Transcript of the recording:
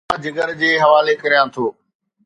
مان جگر جي حوالي ڪريان ٿو